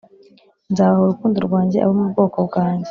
Nzabaha urukundo rwanjye abo mu bwoko bwanjye